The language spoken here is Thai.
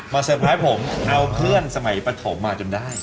เซอร์ไพรส์ผมเอาเพื่อนสมัยปฐมมาจนได้